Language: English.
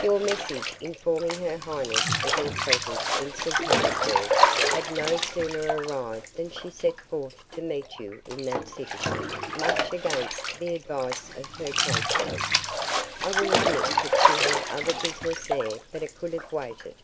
"Your message informing her highness of your presence in St. Petersburg had no sooner arrived than she set forth to meet you in that city, much against the advice of her counsellors. I will admit that she had other business there but it could have waited.